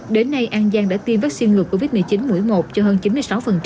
đến nay an giang đã tiêm vaccine ngừa covid một mươi chín mũi một cho hơn chín mươi sáu